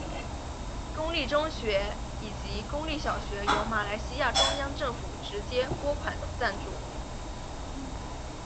公立中学以及公立小学由马来西亚中央政府直接拨款赞助。